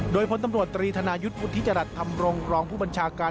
โดยพลตำรวจตรีธนายุทธิจรัตน์ทำรงรองผู้บัญชาการ